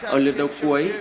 ở lượt đầu cuối